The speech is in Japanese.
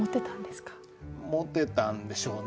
モテたんでしょうね。